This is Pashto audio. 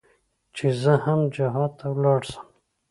چې زه هم جهاد ته ولاړ سم.